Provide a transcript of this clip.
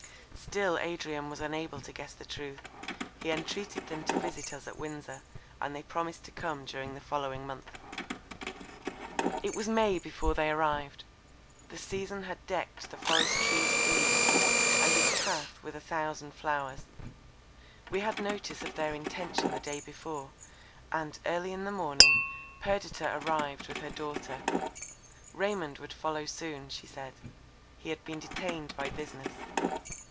Still Adrian was unable to guess the truth; he entreated them to visit us at Windsor, and they promised to come during the following month. It was May before they arrived: the season had decked the forest trees with leaves, and its paths with a thousand flowers. We had notice of their intention the day before; and, early in the morning, Perdita arrived with her daughter. Raymond would follow soon, she said; he had been detained by business.